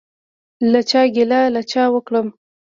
له چا ګیله له چا وکړم؟